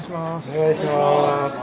お願いします。